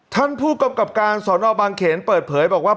ท่านผู้กำกับการสอนอบางเขนเปิดเผยบอกว่า